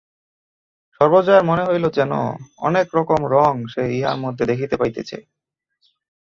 সর্বজয়ার মনে হইল যেন অনেক রকম রং সে ইহার মধ্যে দেখিতে পাইতেছে।